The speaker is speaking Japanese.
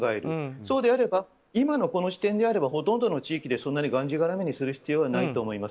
そうであれば今のこの時点であればほとんどの地域でそんなにがんじがらめにする必要はないと思います。